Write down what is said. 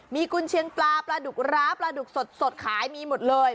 มีกุญเชียงปลาปลาดุกร้าปลาดุกสดขายมีหมดเลย